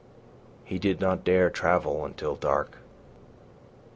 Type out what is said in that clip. He did not dare travel until dark.